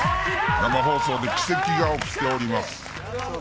生放送で奇跡が起きております。